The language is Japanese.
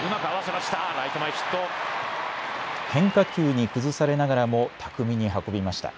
変化球に崩されながらも巧みに運びました。